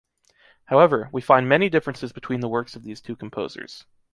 However, we find many differences between the works of these two composers.